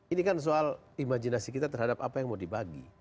ini kan soal imajinasi kita terhadap apa yang mau dibagi